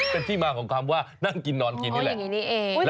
เป็นที่มาของคำว่านั่งกินนอนกินนี่แหละ